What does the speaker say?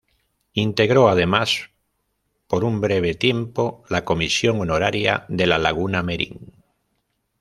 Integró además por un breve tiempo la Comisión Honoraria de la Laguna Merín.